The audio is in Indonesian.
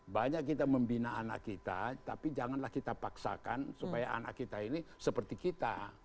banyak kita membina anak kita tapi janganlah kita paksakan supaya anak kita ini seperti kita